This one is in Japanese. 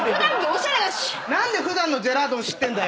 何で普段のジェラードン知ってんだよ。